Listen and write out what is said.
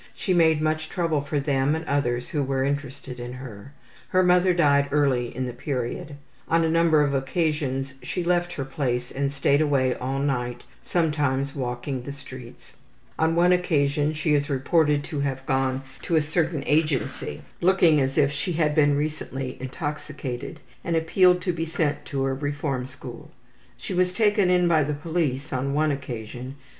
She made much trouble for them and others who were interested in her. Her mother died early in the period. On a number of occasions she left her place and stayed away all night, sometimes walking the streets. On one occasion she is reported to have gone to a certain agency, looking as if she had been recently intoxicated, and appealed to be sent to a reform school. She was taken in by the police on one occasion.